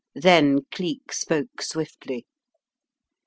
Then Cleek spoke swiftly.